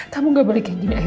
kamu gak boleh gini